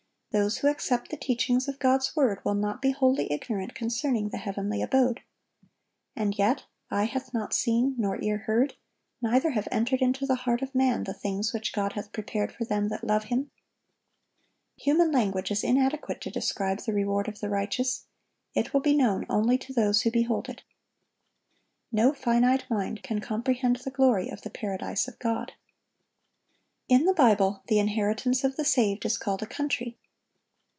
Those who accept the teachings of God's word will not be wholly ignorant concerning the heavenly abode. And yet, "eye hath not seen, nor ear heard, neither have entered into the heart of man, the things which God hath prepared for them that love Him."(1179) Human language is inadequate to describe the reward of the righteous. It will be known only to those who behold it. No finite mind can comprehend the glory of the Paradise of God. In the Bible the inheritance of the saved is called a country.